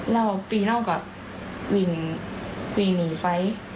แล้วปีเล่าก็วิ่งหนีไฟ